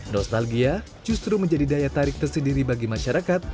nostalgia justru menjadi daya tarik tersendiri bagi masyarakat